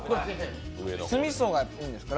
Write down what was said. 酢みそがいいんですか？